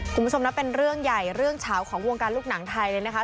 คุณผู้ชมนะเป็นเรื่องใหญ่เรื่องเฉาของวงการลูกหนังไทยเลยนะคะ